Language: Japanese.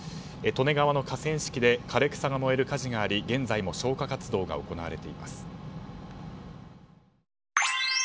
利根川の河川敷で枯れ草が燃える火事があり現在も消火活動が行われています。